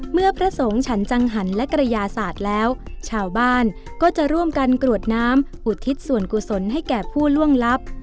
พระสงฆ์ฉันจังหันและกระยาศาสตร์แล้วชาวบ้านก็จะร่วมกันกรวดน้ำอุทิศส่วนกุศลให้แก่ผู้ล่วงลับ